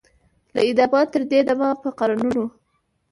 له آدمه تر دې دمه په قرنونو